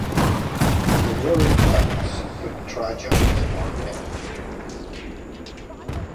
The road cuts through Trajan's Market.